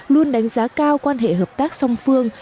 luôn đánh giá cao quan hệ hợp tác song phương